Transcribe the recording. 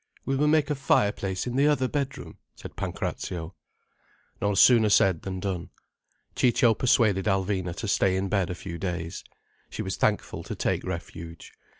"We will make a fire place in the other bedroom," said Pancrazio. No sooner said than done. Ciccio persuaded Alvina to stay in bed a few days. She was thankful to take refuge.